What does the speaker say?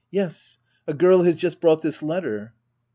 Yes, a girl has just brought this letter.